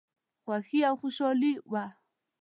خوښي او خوشالي وه.